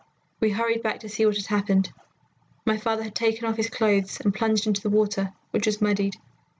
We hurried back to see what had happened. My father had taken off his clothes and plunged into the water, which was muddied.